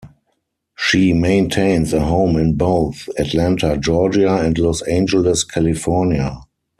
She maintains a home in both Atlanta, Georgia and Los Angeles, California.